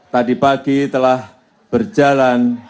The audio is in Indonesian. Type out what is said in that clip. tadi pagi telah berjalan